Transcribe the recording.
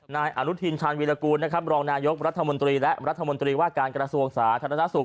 นายอนุทินชาญวีรกูลนะครับรองนายกรัฐมนตรีและรัฐมนตรีว่าการกระทรวงสาธารณสุข